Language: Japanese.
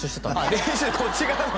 練習こっち側の？